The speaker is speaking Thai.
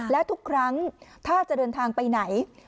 และทุกครั้งถ้าจะเดินทางไปไหน